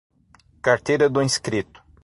Carteira do inscrito